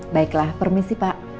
baiklah permisi pak